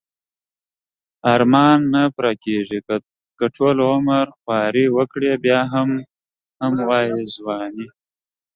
ارمان نه پوره کیږی که ټول عمر خواری وکړی بیا به هم وایی ځوانی